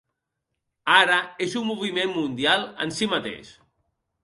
Ara és un moviment mundial en si mateix.